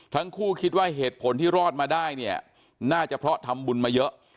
ทั้งคู่คิดว่าเหตุผลที่รอดมาได้เนี่ยน่าจะเพราะทำบุญมาเยอะ